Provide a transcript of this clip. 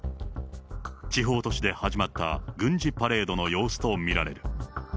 地方都市で始まった軍事パレードの様子と見られる。